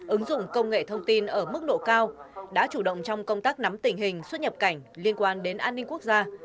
ứng dụng công nghệ thông tin ở mức độ cao đã chủ động trong công tác nắm tình hình xuất nhập cảnh liên quan đến an ninh quốc gia